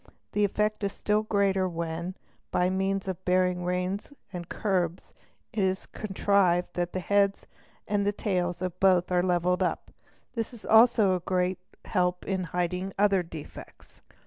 The effect is still greater, when, by means of bearing reins and curbs, it is contrived that — the heads and the tails of both are levelled up; this also is a great help © in hiding other defects.